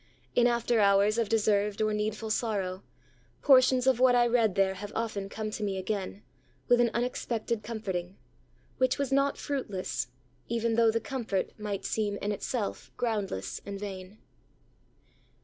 In after hours of deserved or needful sorrow, portions of what I read there have often come to me again, with an unexpected comforting; which was not fruitless, even though the comfort might seem in itself groundless and vain.